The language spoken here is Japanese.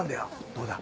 どうだ？